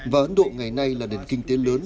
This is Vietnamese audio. và ấn độ ngày nay là nền kinh tế lớn